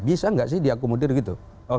bisa nggak sih diakomodir gitu